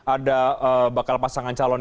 ada bakal pasangan calon